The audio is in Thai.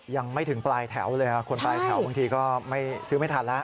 ยังไม่ถึงปลายแถวเลยคนปลายแถวบางทีก็ไม่ซื้อไม่ทันแล้ว